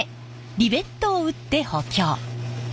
リベットを打って補強。